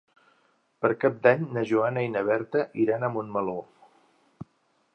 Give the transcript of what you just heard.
Per Cap d'Any na Joana i na Berta iran a Montmeló.